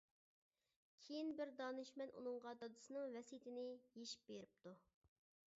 كېيىن بىر دانىشمەن ئۇنىڭغا دادىسىنىڭ ۋەسىيىتىنى يېشىپ بېرىپتۇ.